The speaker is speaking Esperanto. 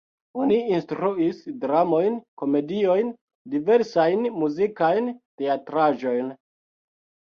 Oni instruis dramojn, komediojn, diversajn muzikajn teatraĵojn.